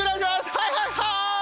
はいはいはい！